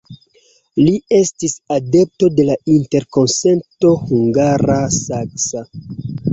Li estis adepto de la interkonsento hungara-saksa.